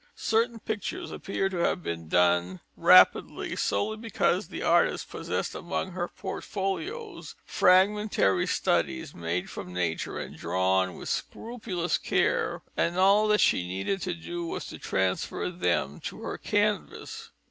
Certain pictures appear to have been done rapidly solely because the artist possessed among her portfolios fragmentary studies made from nature and drawn with scrupulous care, and all that she needed to do was to transfer them to her canvas.